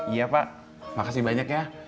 iya pak makasih banyak ya